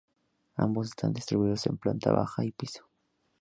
Ambos están distribuidos en planta baja y piso.